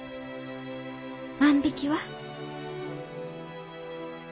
万引きは？